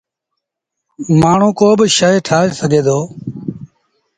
مآڻهوٚݩ ڪوبا شئي ٺآهي سگھي دو۔